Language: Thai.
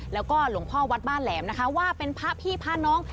แล้วก็หลวงพ่อวัดบ้านแหลมนะคะว่าเป็นพระพี่พระน้อง